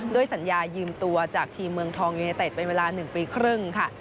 สัญญายืมตัวจากทีมเมืองทองยูเนเต็ดเป็นเวลา๑ปีครึ่งค่ะ